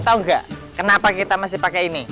tahu nggak kenapa kita masih pakai ini